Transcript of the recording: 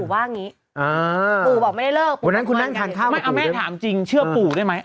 ไม่เอาแม่ถามจริงเชื่อปู่ได้มั้ย